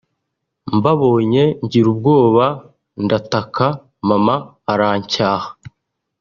mbabonye ngira ubwoba ndataka mama arancyaha